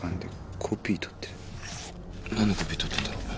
何のコピー取ってんだろ？